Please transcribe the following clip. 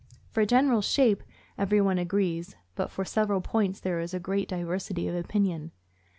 For general shape, everyone agrees; but for several points there is great diversity of opinion.